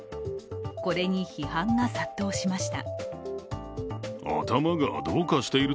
これに批判が殺到しました。